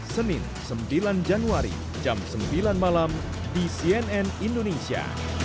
senin sembilan januari jam sembilan malam di cnn indonesia